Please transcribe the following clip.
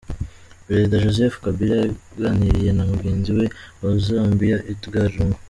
Perezida Joseph Kabila yaganiriye na mugenzi we wa Zambia Edgar Lungu.